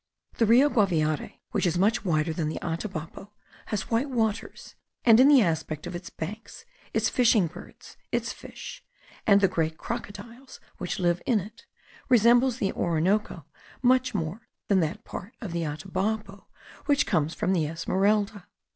The Rio Guaviare, which is much wider than the Atabapo, has white waters, and in the aspect of its banks, its fishing birds, its fish, and the great crocodiles which live in it, resembles the Orinoco much more than that part of the Atabapo which comes from the Esmeralda.